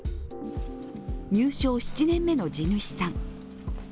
入省７年目の地主さん。